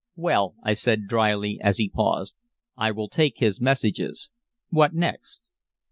"Well," I said dryly as he paused. "I will take his messages. What next?"